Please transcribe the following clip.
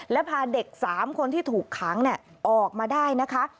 และพาเด็ก๓คนที่ถูกขังออกมาได้นะคะ